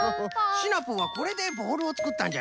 シナプーはこれでボールをつくったんじゃな。